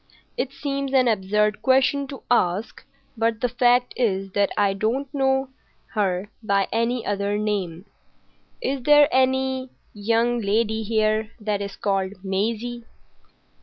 "It seems an absurd question to ask, but the fact is that I don't know her by any other name: Is there any young lady here that is called Maisie?"